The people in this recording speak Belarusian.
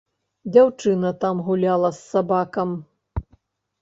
Дзяўчына там гуляла з сабакам.